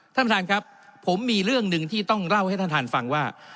ท่านประธานครับผมมีเรื่องหนึ่งที่ต้องเล่าให้ท่านท่านฟังว่า